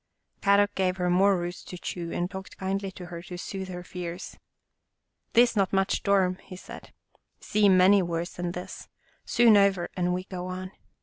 Kadok gave her more roots to chew and talked kindly to her to soothe her fears. " This not much storm," he said. " See many worse than this. Soon over and we go on.